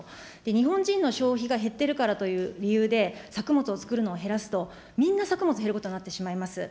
日本人の消費が減っているからという理由で、作物をつくるのを減らすと、みんな作物減ることになってしまいます。